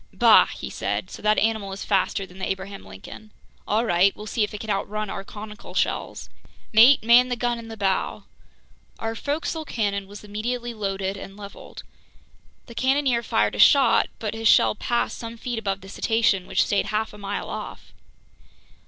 "Bah!" he said. "So that animal is faster than the Abraham Lincoln. All right, we'll see if it can outrun our conical shells! Mate, man the gun in the bow!" Our forecastle cannon was immediately loaded and leveled. The cannoneer fired a shot, but his shell passed some feet above the cetacean, which stayed half a mile off.